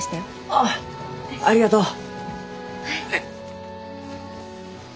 ああありがとう！